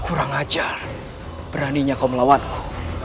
kurang ajar beraninya kau melawanku